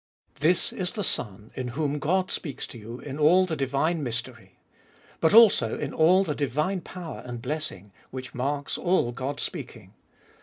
This is the Son in whom God speaks to you in all the divine mystery, but also in all the divine power and blessing, which marks all God's speaking.